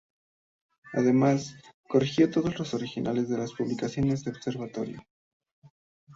Además, corrigió todos los originales de las publicaciones del observatorio.